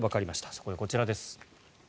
そこでこちらです。